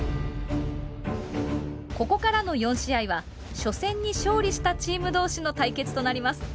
ここからの４試合は初戦に勝利したチーム同士の対決となります。